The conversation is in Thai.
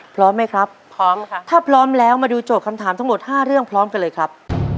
พร้อมไหมครับพร้อมค่ะถ้าพร้อมแล้วมาดูโจทย์คำถามทั้งหมด๕เรื่องพร้อมกันเลยครับ